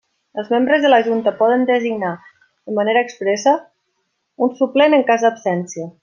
Els membres de la Junta poden designar, de manera expressa, un suplent en cas d'absència.